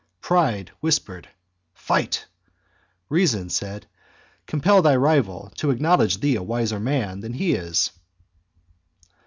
Pride whispered, Fight; Reason said, Compel thy rival to acknowledge thee a wiser man than he is.